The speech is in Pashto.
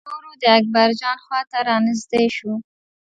چیني ورو ورو د اکبرجان خواته را نژدې شو.